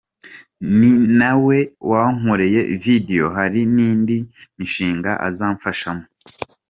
Ni na we wankoreye video, hari n’indi mishinga azamfashamo.